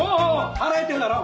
腹減ってるだろ？